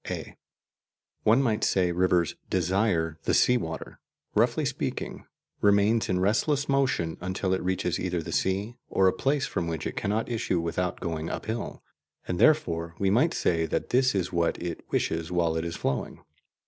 (a) One might say rivers "desire" the sea water, roughly speaking, remains in restless motion until it reaches either the sea or a place from which it cannot issue without going uphill, and therefore we might say that this is what it wishes while it is flowing.